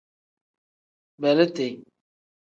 Beleeti.